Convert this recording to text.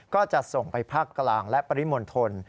ก็จะส่งไปภาคกลางและปริมณฑล